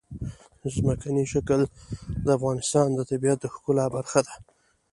ځمکنی شکل د افغانستان د طبیعت د ښکلا برخه ده.